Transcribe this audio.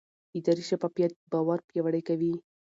اداري شفافیت باور پیاوړی کوي